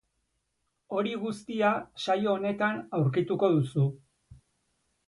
Hori guztia saio honetan aurkituko duzu.